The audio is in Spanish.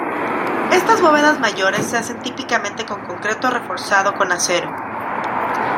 Estas bóvedas mayores se hacen típicamente con concreto reforzado con acero.